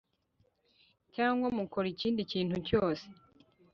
cyangwa mukora ikindi kintu cyose